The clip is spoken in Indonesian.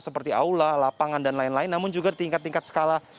seperti aula lapangan dan lain lain namun juga tingkat tingkat skala